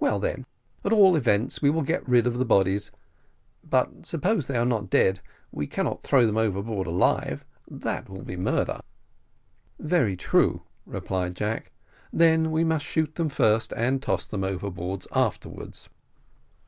Well then, at all events, we will get rid of the bodies; but suppose they are not dead we cannot throw them overboard alive that will be murder." "Very true," replied Jack; "then we must shoot them first, and toss them overboard afterwards."